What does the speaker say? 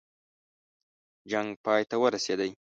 جنګ پای ته ورسېدی.